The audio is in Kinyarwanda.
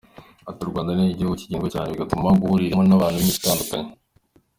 Ati : “u Rwanda ni igihugu kigendwa cyane, bigatuma gihuriramo n’abantu b’imico itandukanye.